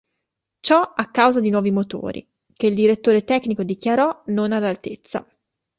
Ciò a causa di nuovi motori, che il direttore tecnico dichiarò "non all'altezza".